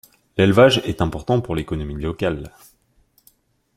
L'élevage est important pour l'économie locale.